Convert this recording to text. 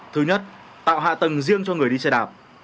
thứ nhất tạo hạ tầng riêng cho người đi xe đạp